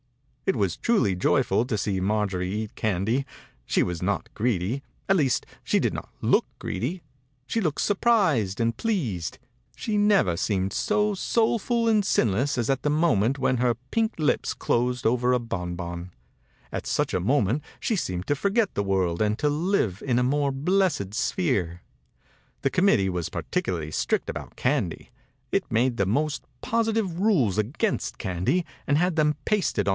It was truly joyful to see Maijorie eat candy. She was not greedy. At least, she did not look greedy. She looked surprised and pleased. She never seemed so soulful and sin less as at the moment when her pink lips closed over a bonbon. At such a moment she seemed 102 THE INCUBATOR BABY to forget the world and to live in a more blessed sphere. The committee was particularly strict about candy. It made the vtnost positive rules against :^.andy and had them pasted on